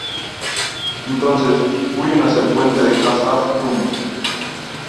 Entonces, huyen hacia el puente de Khazad-dum.